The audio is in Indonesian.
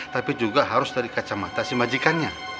tapi juga harus dari kacamata si majikannya